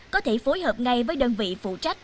có thể phối hợp ngay với đơn vị phụ trách